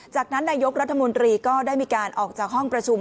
จากนั้นนายกรัฐมนตรีก็ได้มีการออกจากห้องประชุม